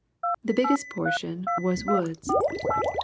The biggest portion was woods.